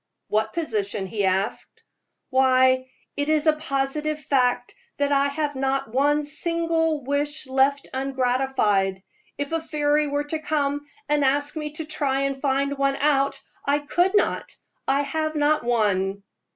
"What position?" he asked. "Why, it is a positive fact that I have not one single wish left ungratified. If a fairy were to come and ask me to try and find one out, I could not I have not one."